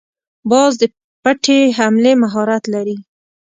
باز د پټې حملې مهارت لري